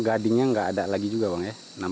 gadingnya nggak ada lagi juga bang ya